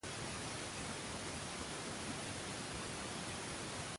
Y Jesús les dice: ¿Cuántos panes tenéis?